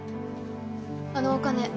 あのお金